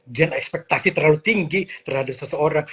dan ekspektasi terlalu tinggi terhadap seseorang